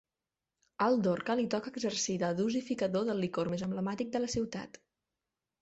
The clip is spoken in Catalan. Al Dorca li toca exercir de dosificador del licor més emblemàtic de la ciutat.